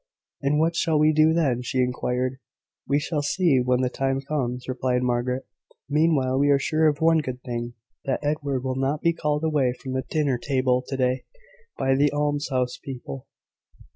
"And what shall we do then?" she inquired. "We shall see when the time comes," replied Margaret. "Meanwhile we are sure of one good thing, that Edward will not be called away from the dinner table to day by the almshouse people.